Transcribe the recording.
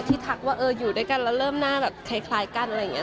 ทักว่าอยู่ด้วยกันแล้วเริ่มหน้าแบบคล้ายกันอะไรอย่างนี้